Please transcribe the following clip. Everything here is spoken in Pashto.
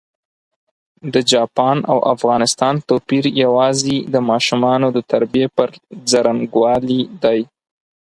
د چاپان او افغانستان توپېر یوازي د ماشومانو د تربیې پر ځرنګوالي دی.